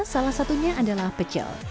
salah satunya adalah pecel